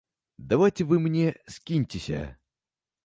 Давайце вы мне скіньцеся.